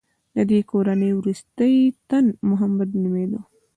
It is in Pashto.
د دې کورنۍ وروستی تن محمد نومېده.